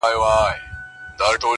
بیا به راسي په سېلونو بلبلکي؛